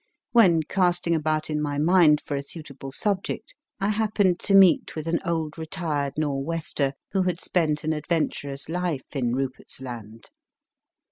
When casting about in my mind for a suitable subject, I happened to meet with an old retired Nor wester who had spent an adventurous life in Rupert s Land.